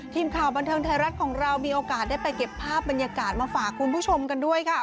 ทีมข่าวบันเทิงไทยรัฐของเรามีโอกาสได้ไปเก็บภาพบรรยากาศมาฝากคุณผู้ชมกันด้วยค่ะ